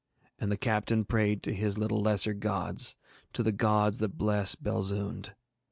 And the captain prayed to his little lesser gods, to the gods that bless Belzoond.